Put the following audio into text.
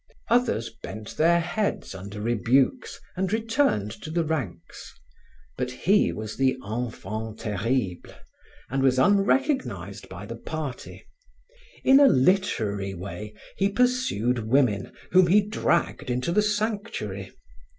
Others bent their heads under rebukes and returned to the ranks; but he was the enfant terrible, and was unrecognized by the party. In a literary way, he pursued women whom he dragged into the sanctuary.